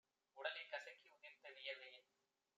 உடலைக் கசக்கி உதிர்த்த வியர்வையின்